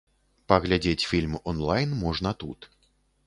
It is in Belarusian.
Паглядзець фільм он-лайн можна тут.